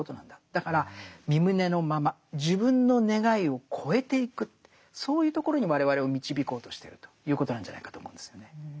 だからみ旨のまま自分の願いを超えていくそういうところに我々を導こうとしてるということなんじゃないかと思うんですよね。